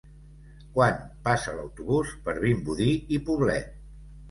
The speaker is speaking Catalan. Quan passa l'autobús per Vimbodí i Poblet?